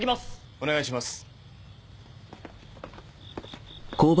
お願いします。